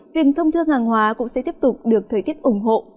việc thông thương hàng hóa cũng sẽ tiếp tục được thời tiết ủng hộ